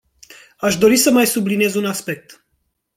Aș dori să mai subliniez un aspect.